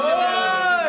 hei apa kabar